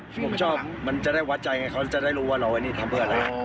ผมชอบมันจะได้วัดใจไงเขาจะได้รู้ว่าเราไอ้นี่ทำเพื่ออะไร